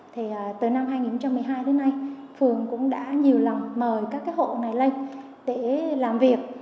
thì từ năm hai nghìn một mươi hai đến nay phường cũng đã nhiều lần mời các hộ này lên để làm việc